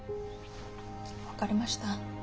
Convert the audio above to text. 分かりました。